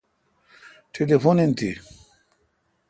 ٹلیفون این تی ۔